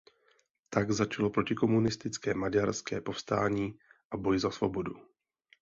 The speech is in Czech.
Tak začalo protikomunistické Maďarské povstání a boj za svobodu.